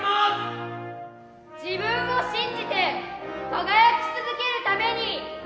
自分を信じて輝き続けるために。